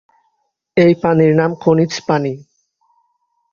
এই পানির নাম খনিজ পানি।